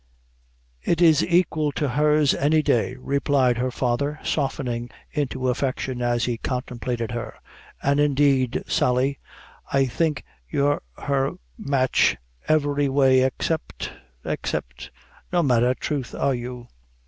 "It is aiquil to hers any day," replied her father, softening into affection as he contemplated her; "and indeed, Sally, I think you're her match every way except except no matter, troth are you."